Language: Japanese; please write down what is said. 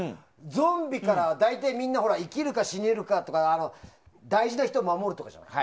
ゾンビから大体みんな生きるか死ぬかとか大事な人を守るとかじゃない。